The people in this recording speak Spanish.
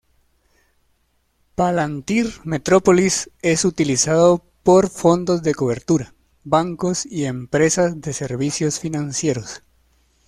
Palantir Metropolis es utilizado por fondos de cobertura, bancos y empresas de servicios financieros.